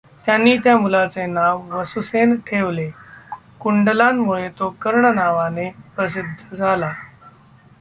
त्यांनी त्या मुलाचे नाव वसुसेन ठेवले, कुंडलांमुळे तो कर्ण नावाने प्रसिद्ध झाला.